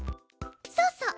そうそう。